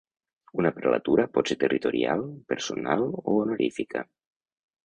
Una prelatura pot ser territorial, personal o honorífica.